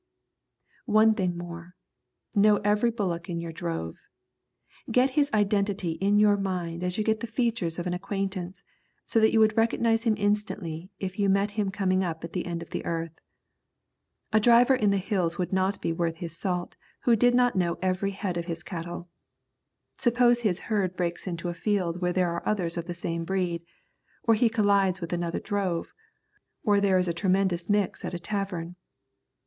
One thing more: know every bullock in your drove. Get his identity in your mind as you get the features of an acquaintance, so that you would recognise him instantly if you met him coming up at the end of the earth. A driver in the Hills would not be worth his salt who did not know every head of his cattle. Suppose his herd breaks into a field where there are others of the same breed, or he collides with another drove, or there is a tremendous mix at a tavern.